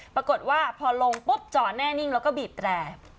ปรากฏว่าพอลงปุ๊บจอดแน่นิ่งแล้วก็บีบแตร